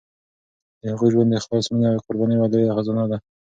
د هغوی ژوند د اخلاص، مینې او قربانۍ یوه لویه خزانه ده.